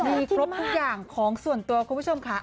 มีครบทุกอย่างของส่วนตัวคุณผู้ชมค่ะ